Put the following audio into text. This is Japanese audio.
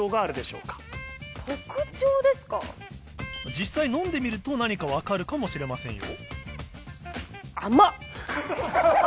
実際飲んでみると何か分かるかもしれませんよ。